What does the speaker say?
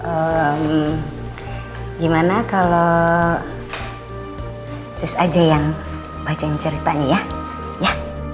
ehm gimana kalau sus aja yang bacain ceritanya ya